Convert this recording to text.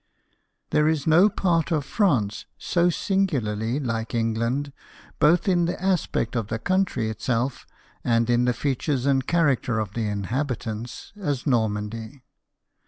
HERE is no part of France so singularly like England, both in the aspect of the country itself and in the features and character of the inhabitants, as Normandy.